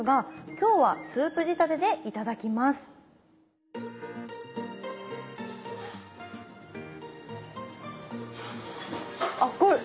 今日はスープ仕立てで頂きます熱い！